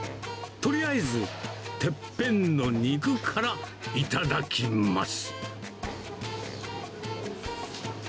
とりあえず、てっぺんの肉から頂きます。